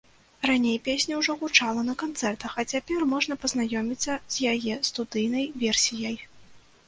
Раней песня ўжо гучала на канцэртах, а цяпер можна пазнаёміцца з яе студыйнай версіяй.